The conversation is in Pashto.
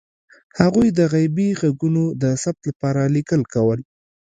هغوی د غیبي غږونو د ثبت لپاره لیکل کول.